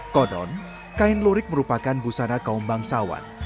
konon kain lurik merupakan busana kaum bangsawan